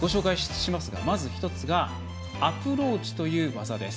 まず１つがアプローチという技です。